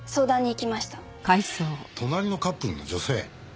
隣のカップルの女性？